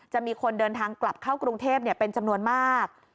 จะมีคนเดินทางกลับเข้ากรุงเทพเป็นจำนวนมาก